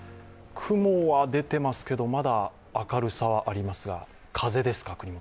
雲は出ていますけど、まだ明るさはありますが、風ですか。